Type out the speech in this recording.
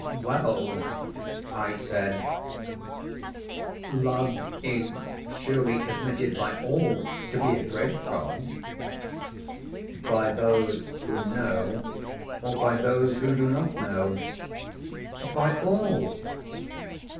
'Well,' I said, 'Love is surely admitted by all to be a great god.' 'By those who know or by those who do not know?' 'By all.'